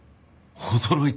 驚いたな。